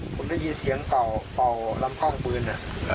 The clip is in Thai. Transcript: ผมได้ยินเสียงเป่าลำคล่องปืน